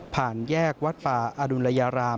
ผ่านแยกวัดป่าอาดุนรายาราม